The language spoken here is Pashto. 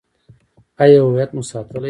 آیا هویت مو ساتلی دی؟